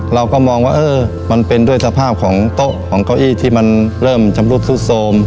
เราก็มองว่าเออมันเป็นด้วยสภาพของโต๊ะของเก้าอี้ที่มันเริ่มชำรุดซุดโทรม